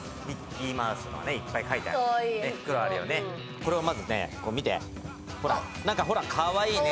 これをまずね、見て、ほら、かわいいね。